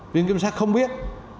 viện kiểm sát không biết